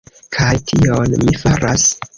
Kaj tion mi faras.